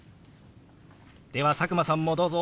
では佐久間さんもどうぞ！